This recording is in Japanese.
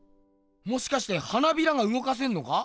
もしかして花びらがうごかせんのか？